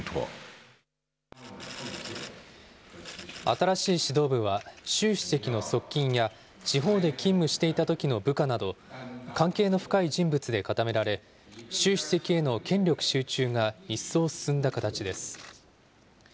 新しい指導部は、習主席の側近や地方で勤務していたときの部下など、関係の深い人物で固められ、習主席への権力集中が一層進んだ形です。